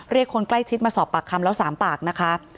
เรียกคนใกล้ชิดมาสอบปากคำแล้วสามปากนะคะ